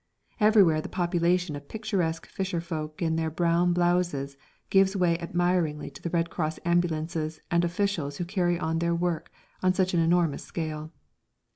Everywhere the population of picturesque fisherfolk in their brown blouses gives way admiringly to the Red Cross ambulances and officials who carry on their work on such an enormous scale.